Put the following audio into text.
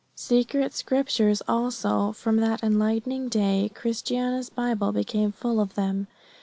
Secret scriptures also from that enlightening day Christiana's Bible became full of them.